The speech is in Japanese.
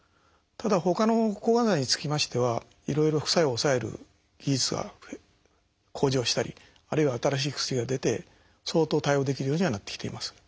ただほかの抗がん剤につきましてはいろいろ副作用を抑える技術が向上したりあるいは新しい薬が出て相当対応できるようにはなってきています。